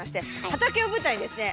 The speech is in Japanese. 畑を舞台にですね